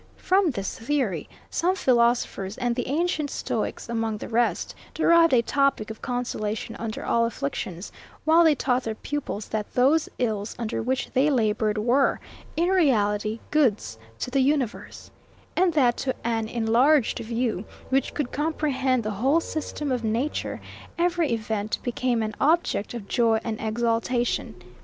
From this theory, some philosophers, and the ancient Stoics among the rest, derived a topic of consolation under all afflictions, while they taught their pupils that those ills under which they laboured were, in reality, goods to the universe; and that to an enlarged view, which could comprehend the whole system of nature, every event became an object of joy and exultation.